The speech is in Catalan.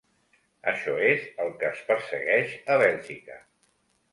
Això és el que es persegueix a Bèlgica.